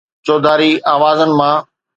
چوڌاري آوازن مان